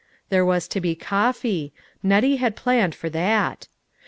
There was to be coffee ; Nettie had planned for that.